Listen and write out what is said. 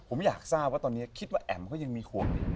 ผมอยากทราบว่าตอนนี้คิดว่าแอ๋มก็ยังมีหัว